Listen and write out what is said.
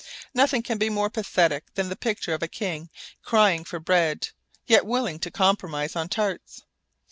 Nothing can be more pathetic than the picture of a king crying for bread, yet willing to compromise on tarts.